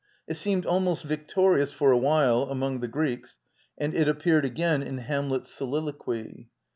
It seemed almost victorious, for a while, among thife Greeks, and it appeared again in Hamlet's solilor quy.